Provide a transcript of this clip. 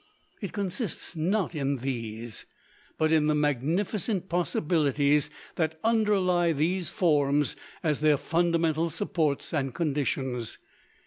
It consists not in these, but in the magnificent possibilities that underlie these forms as their fundamental supports and conditions.